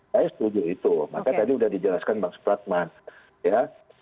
saya setuju itu maka tadi sudah dijelaskan bang supratman ya